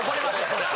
そりゃ。